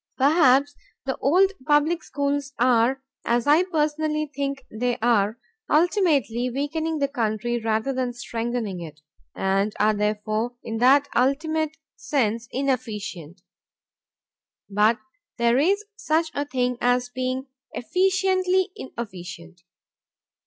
Perhaps the old public schools are (as I personally think they are) ultimately weakening the country rather than strengthening it, and are therefore, in that ultimate sense, inefficient. But there is such a thing as being efficiently inefficient.